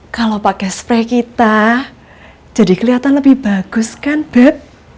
kalau pakai spray kita jadi kelihatan lebih bagus kan bed